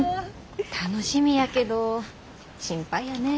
楽しみやけど心配やねえ。